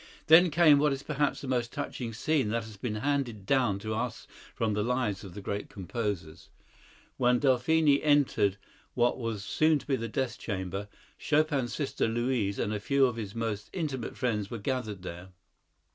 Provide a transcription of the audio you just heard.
Then came what is perhaps the most touching scene that has been handed down to us from the lives of the great composers. When Delphine entered what was soon to be the death chamber, Chopin's sister Louise and a few of his most intimate friends were gathered there.